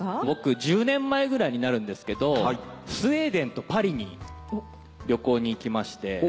僕１０年前ぐらいになるんですけどスウェーデンとパリに旅行に行きまして。